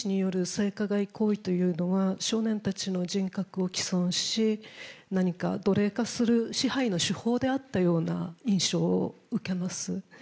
ジャニー氏による性加害行為というのは、少年たちの人格を毀損し、何か、奴隷化する支配の手法であったような印象を受けます。